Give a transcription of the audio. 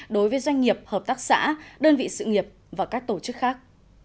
đối với doanh nghiệp hợp tác xã đơn vị sự nghiệp và các tổ chức khác